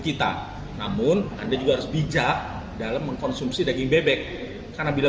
kita namun anda juga harus bijak dalam mengkonsumsi daging bebek karena bila